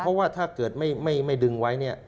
เพราะว่าถ้าเกิดไม่ดึงไว้